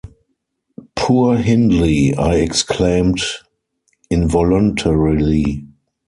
‘Poor Hindley!’ I exclaimed, involuntarily.